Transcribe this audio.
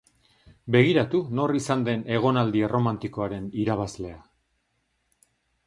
Begiratu nor izan den egonaldi erromantikoaren irabazlea!